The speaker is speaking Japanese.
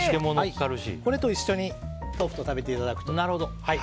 一緒に豆腐と食べていただくと。